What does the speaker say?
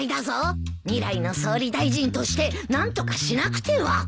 未来の総理大臣として何とかしなくては！